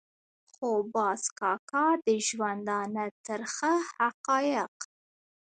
خو باز کاکا د ژوندانه ترخه حقایق.